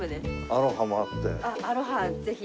アロハぜひ。